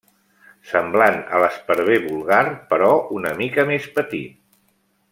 Semblant a l'esparver vulgar però una mica més petit.